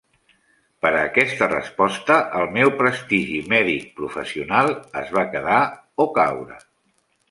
Per aquesta resposta, el meu prestigi mèdic professional es va quedar o caure.